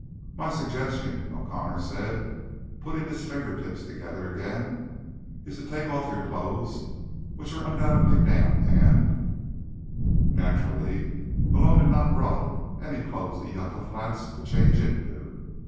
"My suggestion," O'Connor said, putting his fingertips together again, "is that you take off your clothes, which are undoubtedly damp, and—" Naturally, Malone had not brought any clothes to Yucca Flats to change into.